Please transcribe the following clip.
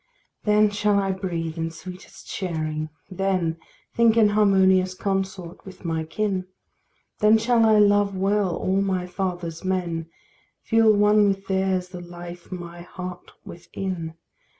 Then shall I breathe in sweetest sharing, then Think in harmonious consort with my kin; Then shall I love well all my father's men, Feel one with theirs the life my heart within.